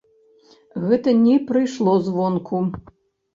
Гэта не прыйшло звонку.